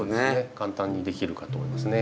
簡単にできるかと思いますね。